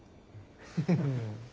フフフ。